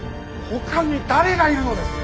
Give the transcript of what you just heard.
ほかに誰がいるのです。